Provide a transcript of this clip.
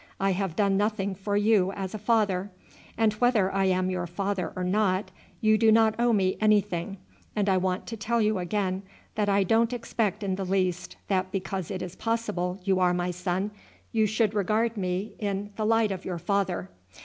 I have done nothing for you as a father; and whether I am your father or not you do not owe me anything, and I want to tell you again that I don't expect in the least that because it is possible you are my son you should regard me in the light of your father.